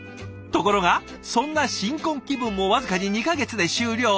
ところがそんな新婚気分も僅かに２か月で終了。